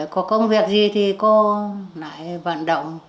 có công việc gì thì cô lại vận động